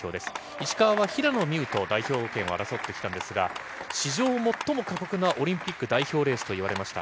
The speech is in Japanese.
石川は平野美宇と代表権を争ってきたんですが、史上最も過酷なオリンピック代表レースといわれました。